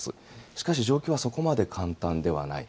しかし、状況はそこまで簡単ではない。